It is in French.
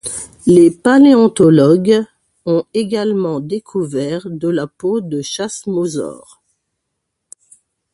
Les paléontologues ont également découvert de la peau de chasmosaure.